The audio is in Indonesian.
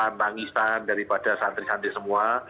dan nangisan daripada santri santri semua